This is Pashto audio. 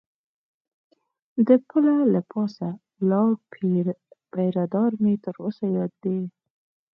د پله له پاسه ولاړ پیره دار مې تر اوسه یاد دی.